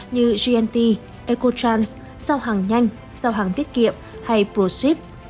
như gnt ecotrance giao hàng nhanh giao hàng tiết kiệm hay proship